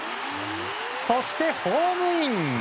そしてホームイン！